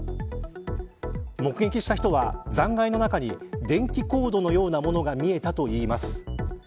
目撃した人は、残骸の中に電気コードのようなものが見えたといいます。